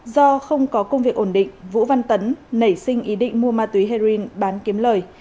do không có công việc ổn định vũ văn tấn nảy sinh ý định mua ma túy heroin bán kiếm lời